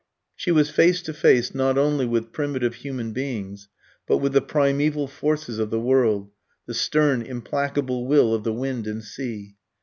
She was face to face not only with primitive human beings, but with the primeval forces of the world the stern, implacable will of the wind and sea.